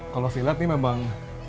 kalau saya lihat ini memang